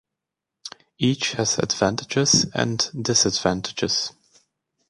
Each has advantages and disadvantages.